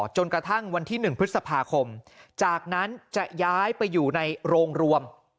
จนกระทั่งวันที่๑พฤษภาคมจากนั้นจะย้ายไปอยู่ในโรงรวม